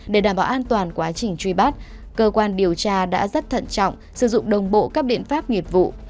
để đảm bảo an toàn quá trình truy bắt cơ quan điều tra đã rất thận trọng sử dụng đồng bộ các biện pháp nghiệp vụ